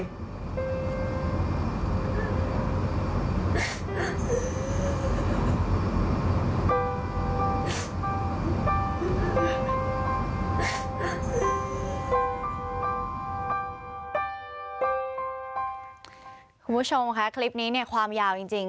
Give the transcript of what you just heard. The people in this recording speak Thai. คุณผู้ชมคลิปนี้ความยาวจริง